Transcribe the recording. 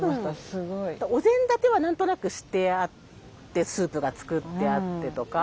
すごい。お膳立ては何となくしてあってスープが作ってあってとか。